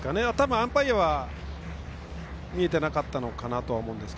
アンパイアは見えていなかったのかなと思います。